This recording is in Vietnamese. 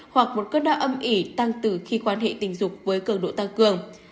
hoặc một cơn đo âm ỉ tăng từ khi quan hệ tình dục với cường độ tăng cường